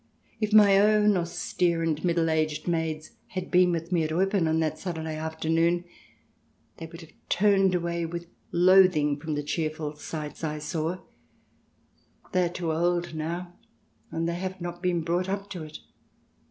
If my own austere and middle aged maids had been with me at Eupen on that Saturday afternoon, they would have turned away with loath ing from the cheerful sights I saw ; they are too old now, and they have not been brought up to it.